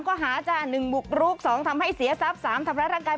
๓ข้อหาจ้ะ๑บุกลุก๒ทำให้เสียทรัพย์๓ทำรับร่างกายผู้อื่น